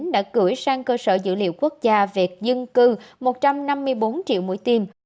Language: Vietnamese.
đã gửi sang cơ sở dữ liệu quốc gia về dân cư một trăm năm mươi bốn triệu mũi tim